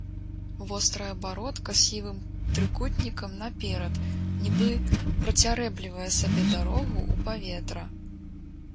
Вострая бародка сівым трыкутнікам наперад, нібы працярэблівае сабе дарогу ў паветра.